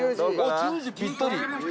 １０時ぴったり。